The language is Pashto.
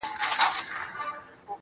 د دې نړۍ انسان نه دی په مخه یې ښه.